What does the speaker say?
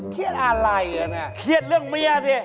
เครียดอะไรน่ะเครียดเรื่องเมียสิ